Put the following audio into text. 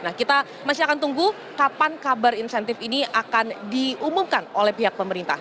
nah kita masih akan tunggu kapan kabar insentif ini akan diumumkan oleh pihak pemerintah